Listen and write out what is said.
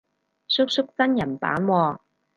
叔叔真人版喎